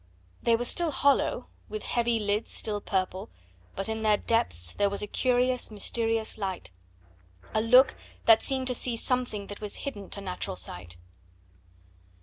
they were still hollow, with heavy lids still purple, but in their depths there was a curious, mysterious light, a look that seemed to see something that was hidden to natural sight.